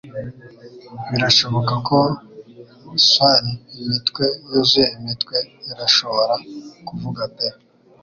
Birashoboka ko swain-imitwe yuzuye imitwe irashobora kuvuga pe